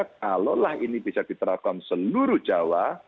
kalaulah ini bisa diterapkan seluruh jawa